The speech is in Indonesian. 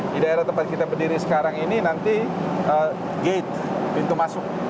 di daerah tempat kita berdiri sekarang ini nanti gate pintu masuk